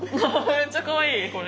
めっちゃかわいいこれ。